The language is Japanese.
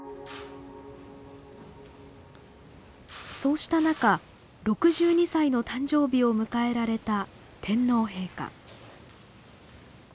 そうした中６２歳の誕生日を迎えられた天皇陛下。